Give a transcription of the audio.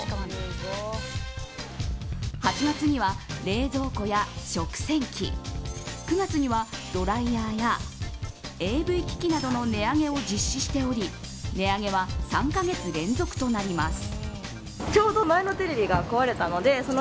８月には冷蔵庫や食洗機９月にはドライヤーやＡＶ機器などの値上げを実施しており値上げは３か月連続となります。